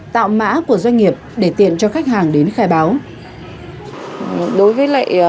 tạo mã của doanh nghiệp để tiền cho khách hàng đến khai báo